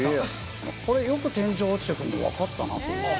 これ、よく天井落ちてくるの分かったなと思って。